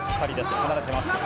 離れてます。